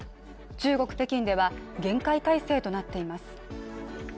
中国・北京では、厳戒態勢となっています。